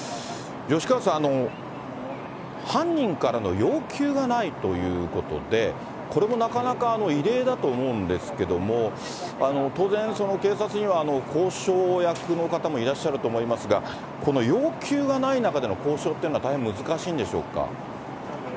吉川さん、犯人からの要求がないということで、これもなかなか異例だと思うんですけれども、当然、警察には交渉役の方もいらっしゃると思いますが、この要求がない中での交渉というのは大変難しいんでしょうか。